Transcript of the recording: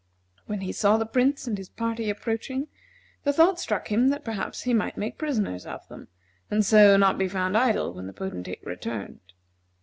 When he saw the Prince and his party approaching, the thought struck him that perhaps he might make prisoners of them, and so not be found idle when the Potentate returned.